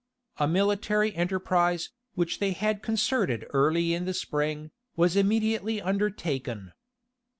A military enterprise, which they had concerted early in the spring, was immediately undertaken.